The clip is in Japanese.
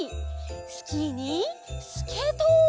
スキーにスケート！